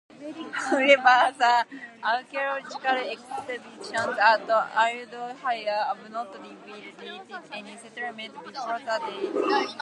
However, the archaeological excavations at Ayodhya have not revealed any settlement before that date.